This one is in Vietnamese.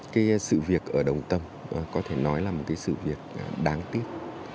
cái sự việc ở đồng tâm có thể nói là một cái sự việc đáng tiếc